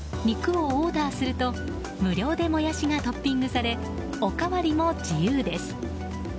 肉をオーダーすると無料でモヤシがトッピングされおかわりも自由です。